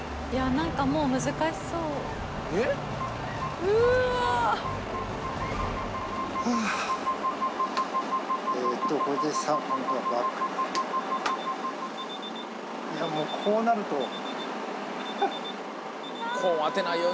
いや、もうこうなると。